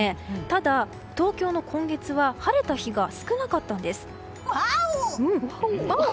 ただ、東京の今月は晴れた日が少なかったんです。